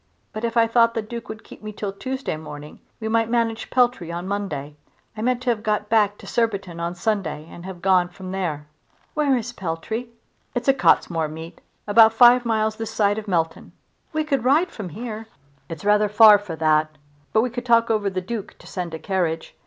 But if I thought the Duke would keep me till Tuesday morning we might manage Peltry on Monday. I meant to have got back to Surbiton's on Sunday and have gone from there." "Where is Peltry?" "It's a Cottesmore meet, about five miles this side of Melton." "We could ride from here." "It's rather far for that, but we could talk over the Duke to send a carriage.